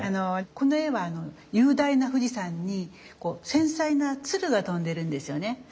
この絵は雄大な富士山に繊細な鶴が飛んでるんですよね。